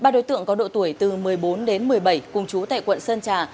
ba đối tượng có độ tuổi từ một mươi bốn đến một mươi bảy cùng chú tại quận sơn trà